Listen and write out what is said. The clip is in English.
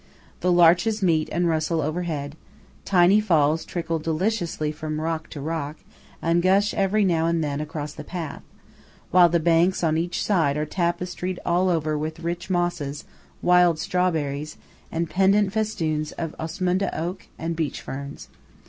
The larches meet and rustle overhead; tiny falls trickle deliciously from rock to rock, and gush every now and then across the path; while the banks on each side are tapestried all over with rich mosses, wild strawberries, and pendent festoons of Osmunda, oak, and beech ferns.